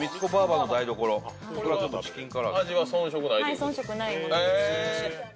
はい遜色ないものです。